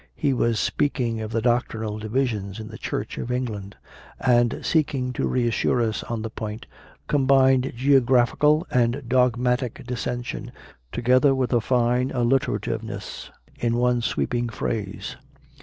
He was speaking of the doctrinal divisions/ in the Church of England; and, seeking to reassure us on the point, combined geographical and dogmatic dissension, together with a fine alliterativeness, in one sweeping phrase.